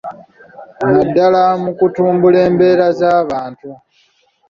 Naddala mu kutumbula embeera z’abantu.